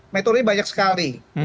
metodologi banyak sekali